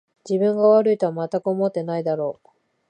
自分が悪いとはまったく思ってないだろう